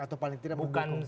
atau paling tidak menghubungi